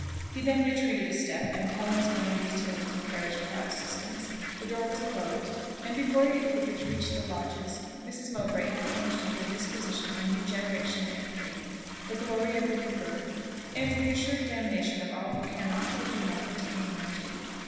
He then retreated a step, and Helen sprang hastily into the carriage without assistance; the door was closed, and before the equipage reached the lodges Mrs. Mowbray had plunged into a disquisition on regeneration and faith the glory of the new birth and the assured damnation of all who cannot, or do not, attain thereto.